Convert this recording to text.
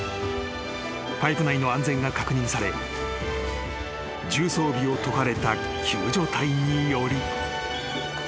［パイプ内の安全が確認され重装備を解かれた救助隊により］